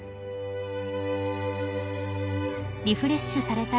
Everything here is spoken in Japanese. ［リフレッシュされたご一家］